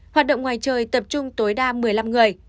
hoạt động ngoài chơi tập trung tối đa một mươi người